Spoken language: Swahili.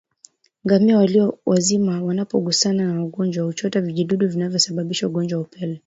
Ngamia waliowazima wanapogusana na wagonjwa huchota vijidudu vinavyosababisha ugonjwa wa upele